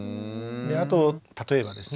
あと例えばですね